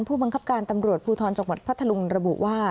ผู้บังคับการตำรวจภูทรจังหวัดพัทธลุงระบุว่า